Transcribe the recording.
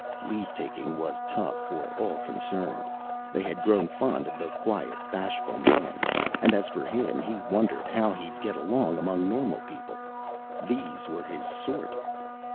Leavetaking was tough for all concerned. They had grown fond of the quiet, bashful man and as for him, he wondered how he'd get along among normal people. These were his sort.